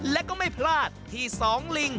และก็ไม่พลาดที่สองลิง